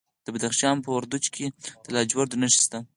د بدخشان په وردوج کې د لاجوردو نښې شته.